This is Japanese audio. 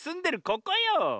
ここよ。